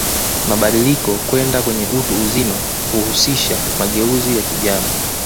Mabadiliko kwenda kwenye utu uzima huhusisha mageuzi ya kijana